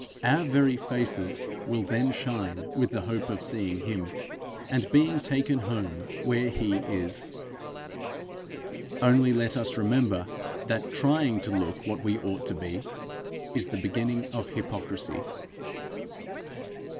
Our very faces will then shine with the hope of seeing him, and being taken home where he is. Only let us remember that trying to look what we ought to be, is the beginning of hypocrisy.